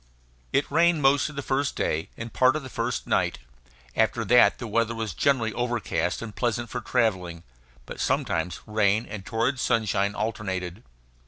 It rained most of the first day and part of the first night. After that the weather was generally overcast and pleasant for travelling; but sometimes rain and torrid sunshine alternated.